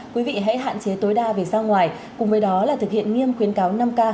quý vị hãy hạn chế tối đa việc ra ngoài cùng với đó là thực hiện nghiêm khuyến cáo năm k